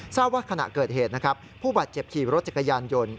ทราบว่าขณะเกิดเหตุนะครับผู้บาดเจ็บขี่รถจักรยานยนต์